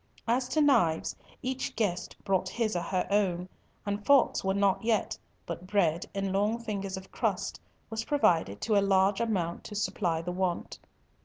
As to knives, each guest brought his or her own, and forks were not yet, but bread, in long fingers of crust, was provided to a large amount to supply the want.